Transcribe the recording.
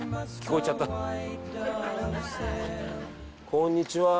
こんにちは。